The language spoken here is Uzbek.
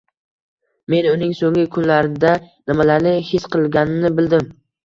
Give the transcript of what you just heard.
Men uning soʻnggi kunlarda nimalarni his qilganini bildim